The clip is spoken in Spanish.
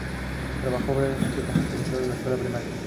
Trabajó brevemente como profesor de escuela primaria.